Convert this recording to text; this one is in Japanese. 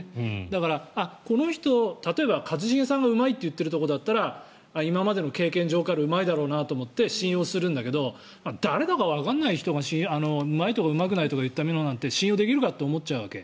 だから、この人例えば一茂さんがうまいって言っているところだったら今までの経験上からうまいだろうなと思って信用するんだけど誰だかわからない人がうまいとかうまくないとかって信用できるかって思っちゃうわけ。